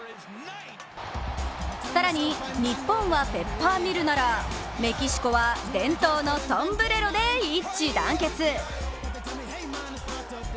更に、日本はペッパーミルならメキシコは伝統のソンブレロで一致団結。